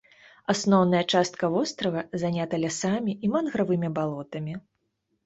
Асноўная частка вострава занята лясамі і мангравымі балотамі.